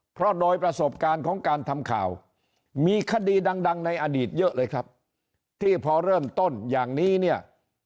เพราะโดยประสบการณ์ของการทำข่าวมีคดีดังในอดีตเยอะเลยครับที่พอเริ่มต้นอย่างนี้เนี่ย